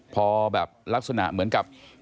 พอแบบลักษณะเหมือนกับ